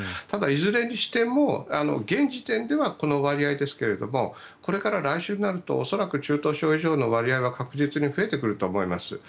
ただ、いずれにしても現時点ではこの割合ですけどこれから来週になると恐らく中等症以上の割合は確実に増えてくると思います。